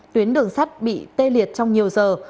tuyến đường sắt bị tê liệt trong nhiều giờ